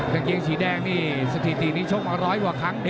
กางเกงสีแดงนี่สถิตินี้ชกมาร้อยกว่าครั้ง